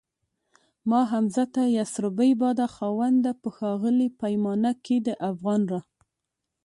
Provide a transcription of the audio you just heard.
ما حمزه ته يسربی باده خاونده په ښاغلي پیمانه کي دافغان را